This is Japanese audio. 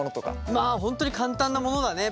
まあ本当に簡単なものだね。